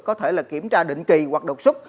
có thể là kiểm tra định kỳ hoặc đột xuất